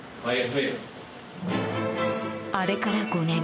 あれから５年。